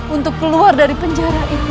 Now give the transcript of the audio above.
untuk keluar dari penjara itu